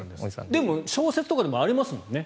でも、小説とかでもありますもんね。